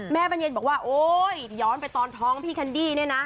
บรรเย็นบอกว่าโอ๊ยย้อนไปตอนท้องพี่แคนดี้เนี่ยนะ